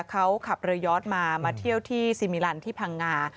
เขาขับเรือยอดมามาเที่ยวที่ซิมิลันที่พังงา